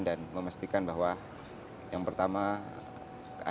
dan memastikan bahwa yang pertama air mandi